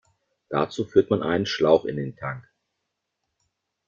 Dazu führt man einen Schlauch in den Tank.